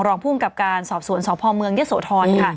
รองภูมิกับการสอบสวนสอบพ่อเมืองเยสโถร